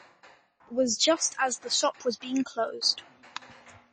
It was just as the shop was being closed.